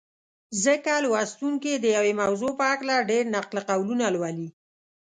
ځکه لوستونکي د یوې موضوع په هکله ډېر نقل قولونه لولي.